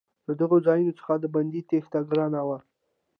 له دغو ځایونو څخه د بندي تېښته ګرانه وه.